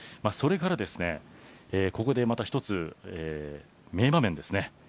それから、ここでまた一つ名場面です。